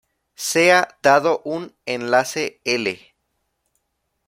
Sea dado un enlace "L".